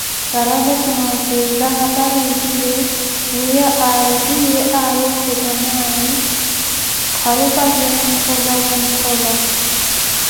Traveso, noosila hapari epile, wiiya yoori aari twiiye aari ophetanaaye, kharupazeeni olawa onthotola.